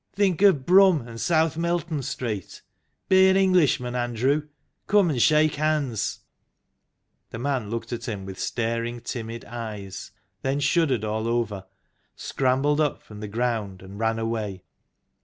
Think of Brum and South Melton Street. Be an Englishman, Andrew come and shake hands !" The man looked at him with staring, timid eyes; then shuddered all over, scrambled up from the ground, and ran away.